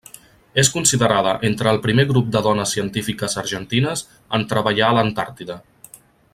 És considerada entre el primer grup de dones científiques argentines en treballar a l'Antàrtida.